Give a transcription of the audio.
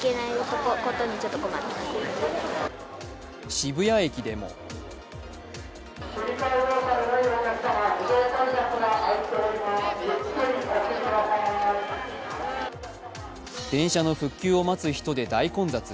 渋谷駅でも電車の復旧を待つ人で大混雑。